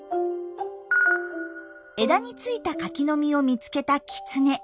枝についたカキの実を見つけたキツネ。